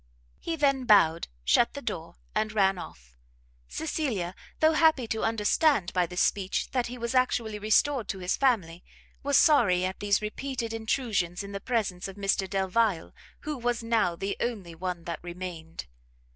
He then bowed, shut the door, and ran off Cecilia, though happy to understand by this speech that he was actually restored to his family, was sorry at these repeated intrusions in the presence of Mr Delvile, who was now the only one that remained.